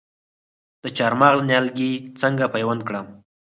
د چهارمغز نیالګي څنګه پیوند کړم؟